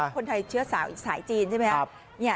คนไทยเชื้อสาวอีกสายจีนใช่ไหมครับ